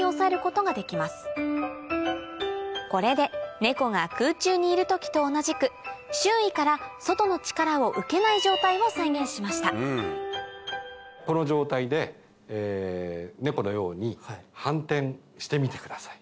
これでネコが空中にいる時と同じく周囲から外の力を受けない状態を再現しましたこの状態でネコのように反転してみてください。